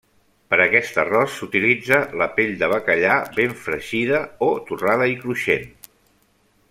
Per aquest arròs s'utilitza la pell de bacallà ben fregida o torrada i cruixent.